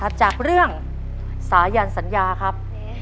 จากเรื่องสายันสัญญาครับ